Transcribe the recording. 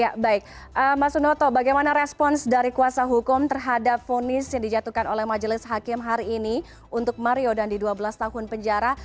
ya baik mas unoto bagaimana respons dari kuasa hukum terhadap fonis yang dijatuhkan oleh majelis hakim hari ini untuk mario dandi dua belas tahun penjara